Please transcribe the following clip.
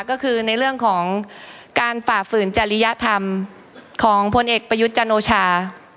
ก็คือในเรื่องของการฝ่าฝืนจริยธรรมของพลเอกประยุทธ์จันโอชา